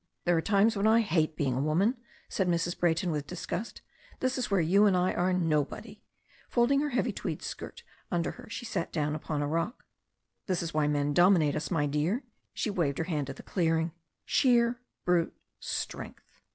"There are times when I hate being a woman," said Mrs. Brayton with disgust. "This is where you and I are no 6o THE STORY OF A NEW ZEALAND RIVER body." Folding her heavy tweed skirt under her, she sat down upon a rock. "This is why men dominate us, my dear," she waved her hand at the clearing. "Sheer brute Strength."